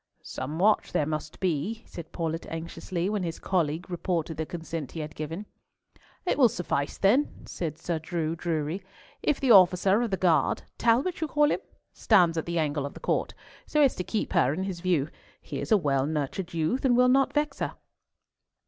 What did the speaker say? "Some watch there must be," said Paulett anxiously, when his colleague reported the consent he had given. "It will suffice, then," said Sir Drew Drury, "if the officer of the guard—Talbot call you him?—stands at the angle of the court, so as to keep her in his view. He is a well nurtured youth, and will not vex her."